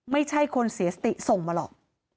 ไม่ใช่คนเสียสติส่งมาหรอก